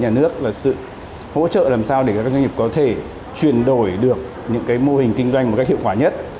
hỗ trợ làm sao để các doanh nghiệp có thể truyền đổi được những mô hình kinh doanh một cách hiệu quả nhất